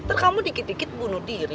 terus kamu dikit dikit bunuh diri